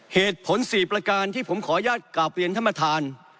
เหตุผล๔ประการที่ผมขออนุญาตกราบเรียนท่านประธาน